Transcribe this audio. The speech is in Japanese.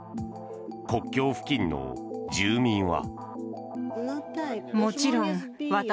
国境付近の住民は。